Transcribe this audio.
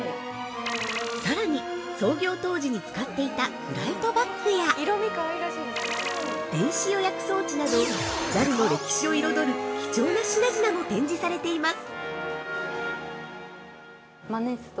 ◆さらに、創業当時に使っていたフライトバッグや電子予約装置などＪＡＬの歴史を彩る貴重な品々も展示されています。